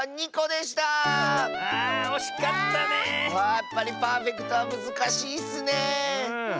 やっぱりパーフェクトはむずかしいッスねえ。